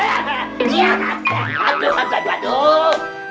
aduh aduh aduh